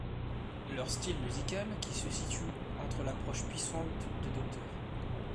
Leur style musical qui se situe entre l'approche puissante de Dr.